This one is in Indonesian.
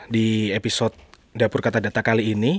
di episode dapur kata data kali ini